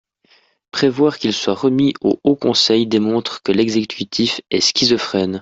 Prévoir qu’il soit remis au Haut Conseil démontre que l’exécutif est schizophrène.